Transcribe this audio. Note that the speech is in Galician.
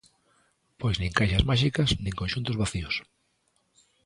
Pois nin caixas máxicas nin conxuntos vacíos.